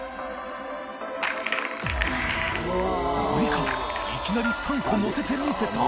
秧浩いきなり３個乗せてみせた！